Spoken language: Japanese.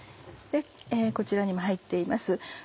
こちらにも入っています。